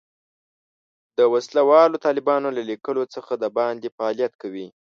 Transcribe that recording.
د وسله والو طالبانو له لیکو څخه د باندې فعالیت کوي.